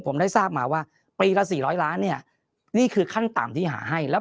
ผมได้ทราบมาว่าปีละ๔๐๐ล้านเนี่ยนี่คือขั้นต่ำที่หาให้แล้ว